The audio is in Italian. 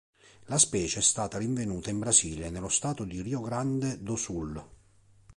La specie è stata rinvenuta in Brasile, nello Stato di Rio Grande do Sul.